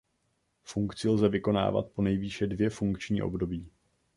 Funkci lze vykonávat po nejvýše dvě funkční období.